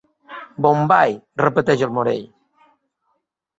Bombai! —repeteix el Morell—.